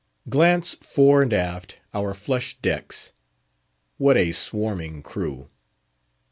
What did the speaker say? Glance fore and aft our flush decks. What a swarming crew!